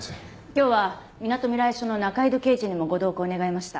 今日はみなとみらい署の仲井戸刑事にもご同行願いました。